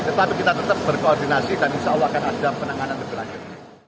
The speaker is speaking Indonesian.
tetapi kita tetap berkoordinasi dan insya allah akan ada penanganan lebih lanjut